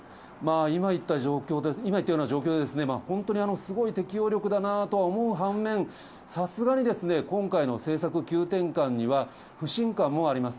今言ったような状況で、本当にすごい適応力だなと思う反面、さすがに、今回の政策急転換には、不信感もあります。